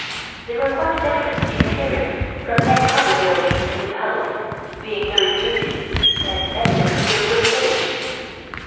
They were quite different in appearance from any other buildings in the Palace, being very dirty and evidently of great age.